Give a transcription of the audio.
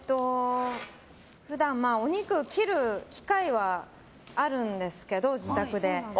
普段お肉を切る機会はあるんですけど、自宅で。